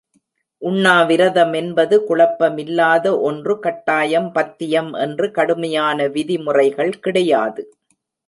உண்ணாவிரதம் என்பது குழப்பமில்லாத ஒன்று கட்டாயம், பத்தியம் என்று கடுமையான விதி முறைகள் கிடையாது.